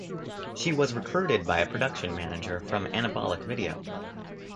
She was recruited by a production manager from Anabolic Video.